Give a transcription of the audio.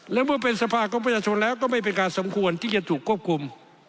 และเมื่อเป็นสภาของประชาชนแล้วก็ไม่เป็นการสมควรที่จะถูกควบคุม